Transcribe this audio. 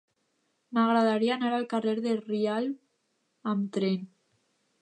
M'agradaria anar al carrer de Rialb amb tren.